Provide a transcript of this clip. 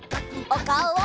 おかおを！